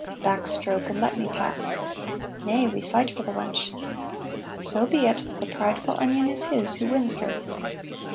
"Back, Stroke, and let me pass." "Nay, we fight for the wench." "So be it. The prideful onion is his who wins her."